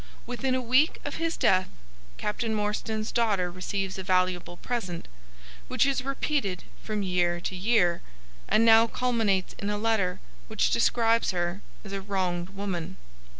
Within a week of his death Captain Morstan's daughter receives a valuable present, which is repeated from year to year, and now culminates in a letter which describes her as a wronged woman.